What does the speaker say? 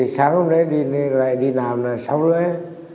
sáng hôm nay đi làm là sáu lưới